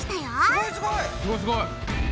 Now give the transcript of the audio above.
すごいすごい！